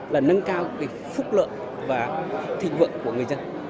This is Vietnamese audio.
là nâng cao cái phúc lợi và thịnh vượng của người dân